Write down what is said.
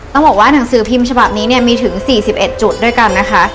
ต้องบอกว่าหนังสือพิมพ์ฉบับนี้เนี่ยมีถึง๔๑จุดด้วยกันนะคะ